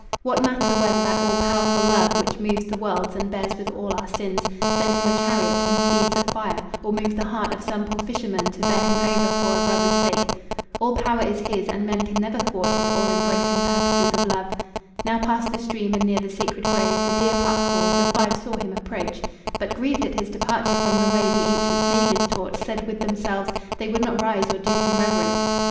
What matter whether that all powerful Love Which moves the worlds, and bears with all our sins, Sent him a chariot and steeds of fire, Or moved the heart of some poor fisherman To bear him over for a brother's sake? All power is His, and men can never thwart His all embracing purposes of love. Now past the stream and near the sacred grove The deer park called, the five saw him approach. But grieved at his departure from the way The ancient sages taught, said with themselves They would not rise or do him reverence.